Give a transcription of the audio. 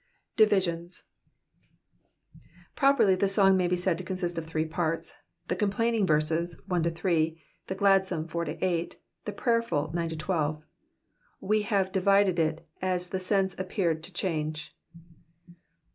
Divisions. — Properly the song may be said to consist of tliree parts : the complaining verses, 1—3 ; the gladsome, 4—8 / the prayerful, 9 — 12. We have divided U as the sense appeared to change.